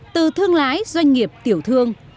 từ thương lái doanh nghiệp tiểu thương